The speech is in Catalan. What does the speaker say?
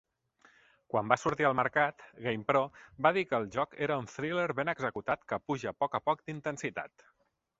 Quan va sortir al mercat, "GamePro" va dir que el joc era un "thriller ben executat que puja poc a poc d'intensitat".